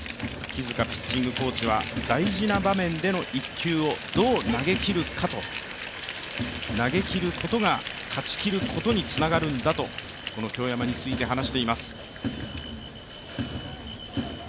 木塚ピッチングコーチは大事な場面での１球をどう投げきるか、投げきることが勝ちきることにつながるんだとこの京山について話しています。